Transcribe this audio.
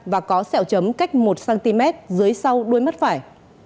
và có sẹo chấm cách một cm dưới sau đuôi mắt phải